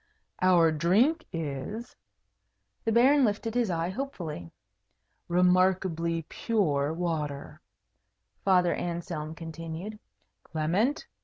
"Our drink is " The Baron lifted his eye hopefully. " remarkably pure water," Father Anselm continued. "Clement!"